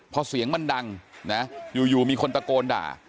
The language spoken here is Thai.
พอเสียงมันดังนะอยู่มีคนตะโกนด่า